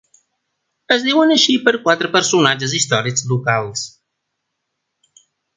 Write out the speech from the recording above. Es diuen així per quatre personatges històrics locals.